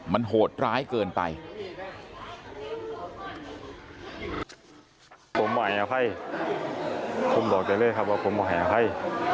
มันโหดร้ายเกินไป